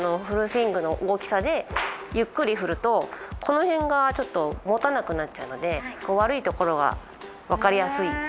フルスイングの大きさでゆっくり振るとこのへんがちょっともたなくなっちゃうので悪いところがわかりやすい。